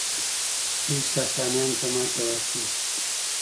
دوی ساسانیانو ته ماتې ورکړه